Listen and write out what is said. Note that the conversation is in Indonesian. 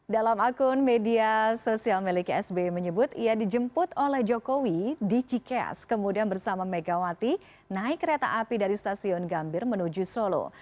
dalam akun media sosial milik sbi menyebut ia dijemput oleh jokowi di cikeas kemudian bersama megawati naik kereta api dari stasiun gambir menuju solo